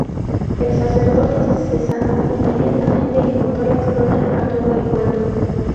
El sacerdote se sanó inmediatamente y contó la historia a todo el pueblo.